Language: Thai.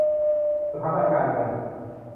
สถาบันการเงิน